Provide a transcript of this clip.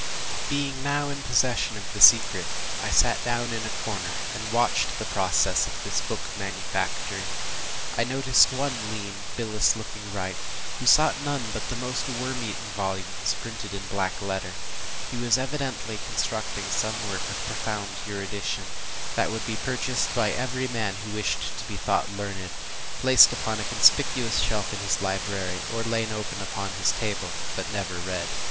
Being now in possession of the secret, I sat down in a corner, and watched the process of this book manufactory. I noticed one lean, bilious looking wight, who sought none but the most worm eaten volumes, printed in black letter. He was evidently constructing some work of profound erudition, that would be purchased by every man who wished to be thought learned, placed upon a conspicuous shelf of his library, or laid open upon his table but never read.